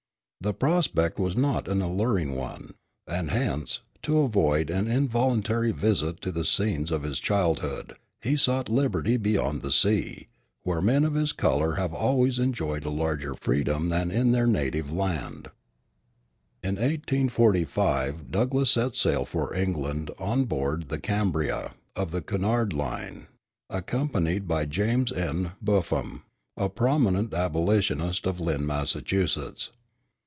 The prospect was not an alluring one; and hence, to avoid an involuntary visit to the scenes of his childhood, he sought liberty beyond the sea, where men of his color have always enjoyed a larger freedom than in their native land. In 1845 Douglass set sail for England on board the Cambria, of the Cunard Line, accompanied by James N. Buffum, a prominent abolitionist of Lynn, Massachusetts.